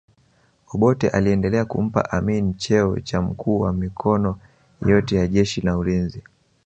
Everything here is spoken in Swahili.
Obote aliendelea kumpa Amin cheo cha mkuu wa mikono yote ya jeshi na ulinzi